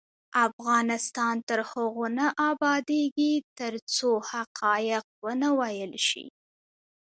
افغانستان تر هغو نه ابادیږي، ترڅو حقایق ونه ویل شي.